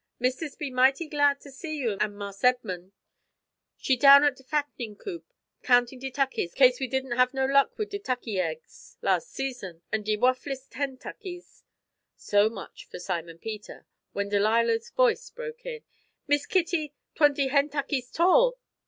"Mistis be mighty glad ter see you an' Marse Edmun'. She down at de fattenin' coop countin' de tuckeys, kase we didn't have no luck wid de tuckey aigs lars' season, an' de wuffless hen tuckeys " So much for Simon Peter, when Delilah's voice broke in: "Miss Kitty, 'twan' de hen tuckeys 'tall.